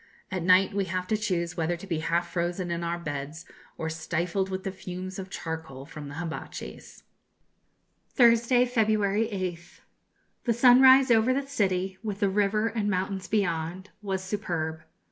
At night we have to choose whether to be half frozen in our beds, or stifled with the fumes of charcoal from the hibatchis. Thursday, February 8th. The sunrise over the city, with the river and mountains beyond, was superb.